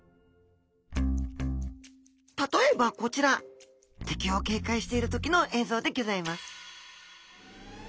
例えばこちら！敵を警戒している時の映像でギョざいます